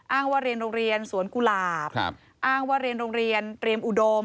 ว่าเรียนโรงเรียนสวนกุหลาบอ้างว่าเรียนโรงเรียนเตรียมอุดม